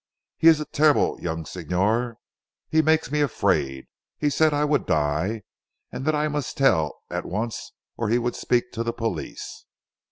he is a terrible young Signor. He makes me afraid. He said I would die, and that I must tell at once or he would speak to the police.